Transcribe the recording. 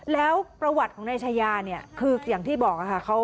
แล้วประวัติของนายชายาเนี่ยคืออย่างที่บอกค่ะ